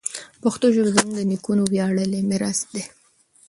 پښتو ژبه زموږ د نیکونو ویاړلی میراث ده.